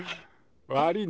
悪いね。